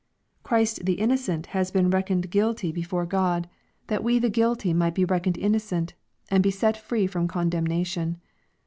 Christ the innocent has been reckoned guilty before LUKE, CHAP. XXIII. 459 God, that we the guilty might be reckoned innocent, and be set free from condemnation.